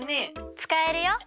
つかえるよ。